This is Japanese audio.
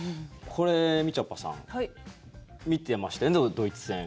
これ、みちょぱさん見てましたよね、ドイツ戦。